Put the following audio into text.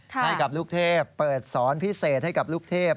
ให้กับลูกเทพเปิดสอนพิเศษให้กับลูกเทพ